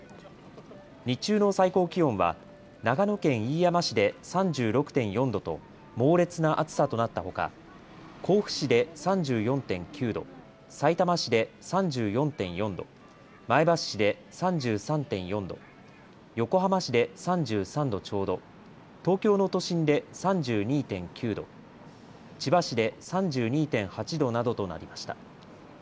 日中の最高気温は長野県飯山市で３６．４度と猛烈な暑さとなったほか、甲府市で３４．９度、さいたま市で３４．４度、前橋市で３３．４度、横浜市で３３度ちょうど、東京の都心で３２．９度、千葉市で３２．８度などとなりました。